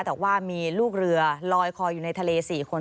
แต่ว่ามีลูกเรือลอยคออยู่ในทะเล๔คน